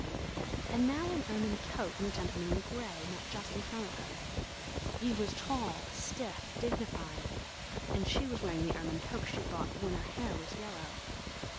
And now an ermine toque and a gentleman in grey met just in front of her. He was tall, stiff, dignified, and she was wearing the ermine toque she'd bought when her hair was yellow.